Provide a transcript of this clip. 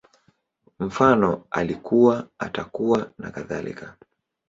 Mfano, Alikuwa, Atakuwa, nakadhalika